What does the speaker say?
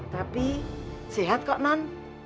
tapi sehat kok non